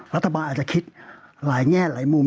รัฐบาลอาจจะคิดหลายแง่หลายมุม